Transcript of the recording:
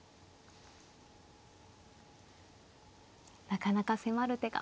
なかなか迫る手が。